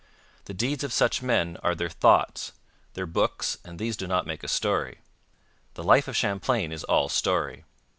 The deeds of such men are their thoughts, their books, and these do not make a story. The life of Champlain is all story.